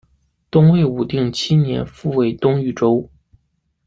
东魏武定七年复为东豫州。